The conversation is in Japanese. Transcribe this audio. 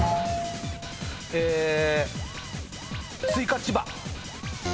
えスイカ千葉。